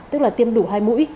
tức là tiêm đủ hai mũi